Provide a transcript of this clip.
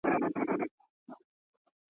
چي په محفل کي شمع ووینم بورا ووینم ,